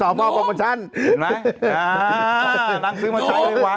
น้องซื้อมาใช้ดิมไว้หวั้ง